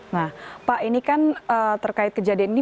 nah pak ini kan terkait kejadian ini